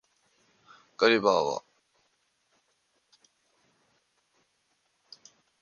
ガリバーは十六年と七ヵ月の間、不思議な国々を旅行して来ました。